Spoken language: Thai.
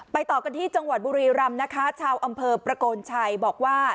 ต่อกันที่จังหวัดบุรีรำนะคะชาวอำเภอประโกนชัยบอกว่า